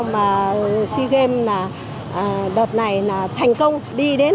và một số sẽ